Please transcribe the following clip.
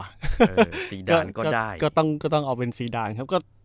เออสีดานก็ได้ก็ต้องก็ต้องเอาเป็นสีดานครับ